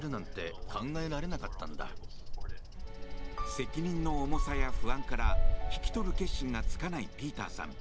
責任の重さや不安から引き取る決心がつかないピーターさん。